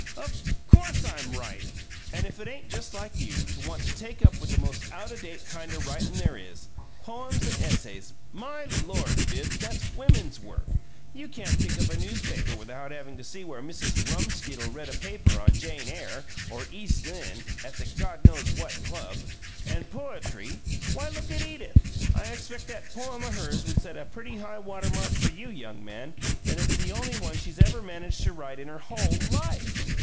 "Of COURSE I'm right! And if it ain't just like you to want to take up with the most out o' date kind o' writin' there is! 'Poems and essays'! My Lord, Bibbs, that's WOMEN'S work! You can't pick up a newspaper without havin' to see where Mrs. Rumskididle read a paper on 'Jane Eyre,' or 'East Lynne,' at the God Knows What Club. And 'poetry'! Why, look at Edith! I expect that poem o' hers would set a pretty high water mark for you, young man, and it's the only one she's ever managed to write in her whole LIFE!